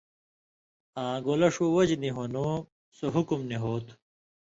آں گولہ ݜُو وجہۡ نی ہون٘دُوں سُو حُکُم نی ہو تھُو۔